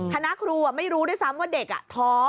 คณะครูไม่รู้ด้วยซ้ำว่าเด็กท้อ